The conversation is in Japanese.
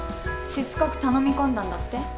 しつこく頼み込んだんだって？